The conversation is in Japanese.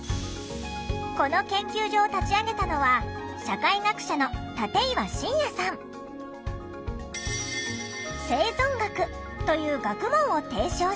この研究所を立ち上げたのは「生存学」という学問を提唱した。